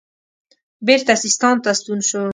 بیرته سیستان ته ستون شو.